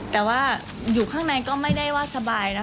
แต่ว่าอยู่ข้างในก็ไม่ได้ว่าสบายนะ